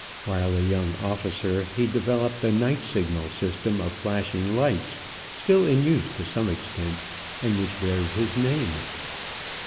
While a young officer he developed a night signal system of flashing lights, still in use to some extent, and which bears his name.